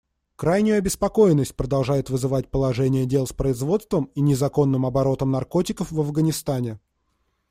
Крайнюю обеспокоенность продолжает вызывать положение дел с производством и незаконным оборотом наркотиков в Афганистане.